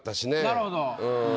なるほど。